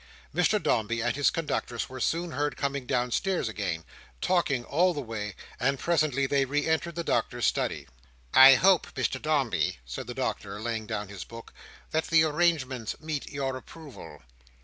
Mr Dombey and his conductress were soon heard coming downstairs again, talking all the way; and presently they re entered the Doctor's study. "I hope, Mr Dombey," said the Doctor, laying down his book, "that the arrangements meet your approval."